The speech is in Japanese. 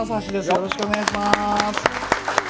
よろしくお願いします。